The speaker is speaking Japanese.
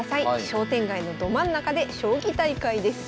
商店街のど真ん中で将棋大会です。